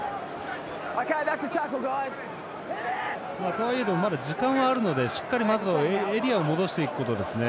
とはいえどもまだ時間はあるのでしっかりとエリアを戻していくことですね。